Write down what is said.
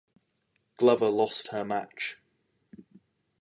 Glover lost her match.